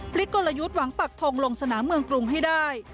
กลยุทธ์หวังปักทงลงสนามเมืองกรุงให้ได้